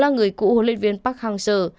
người cũ hồn luyện viên park hang seo